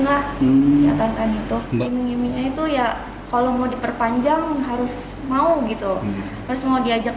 lah catatan itu iming imingnya itu ya kalau mau diperpanjang harus mau gitu harus mau diajak